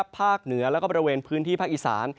เหนือแล้วก็บริเวณพื้นที่ภาคอีสาน